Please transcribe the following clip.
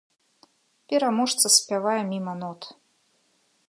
Пераможца спявае міма нот.